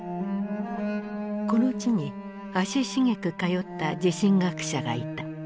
この地に足しげく通った地震学者がいた。